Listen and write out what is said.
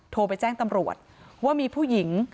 โทรไปแจ้งตำรวจว่ามีผู้หญิง